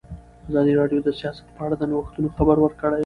ازادي راډیو د سیاست په اړه د نوښتونو خبر ورکړی.